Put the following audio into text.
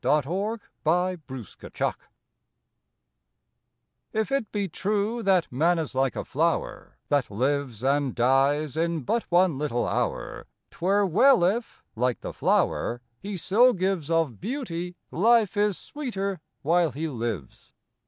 April Third THE FLOWER TF it be true that man is like a flower That lives and dies in but one little hour, Twere well if, like the flower, he so gives Of beauty, life is sweeter while he lives.